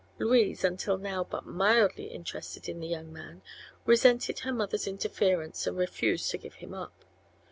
Louise, until now but mildly interested in the young man, resented her mother's interference and refused to give him up.